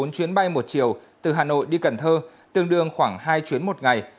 bốn chuyến bay một chiều từ hà nội đi cần thơ tương đương khoảng hai chuyến một ngày